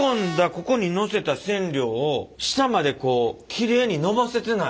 ここにのせた染料を下までこうきれいにのばせてない。